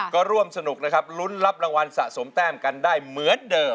ก็ร่วมสนุกนะครับลุ้นรับรางวัลสะสมแต้มกันได้เหมือนเดิม